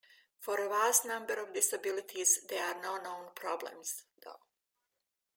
For a vast number of disabilities, there are no known problems, though.